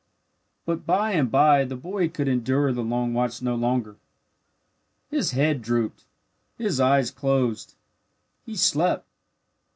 But by and bye the boy could endure the long watch no longer. His head drooped. His eyes closed. He slept.